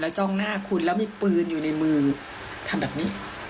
จ้องหน้าคุณแล้วมีปืนอยู่ในมือทำแบบนี้